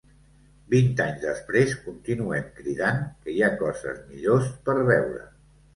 Vint anys després continuem cridant que hi ha coses millors per veure.